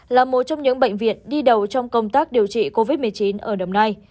là một trong những bệnh viện đi đầu trong công tác điều trị covid một mươi chín ở đồng nai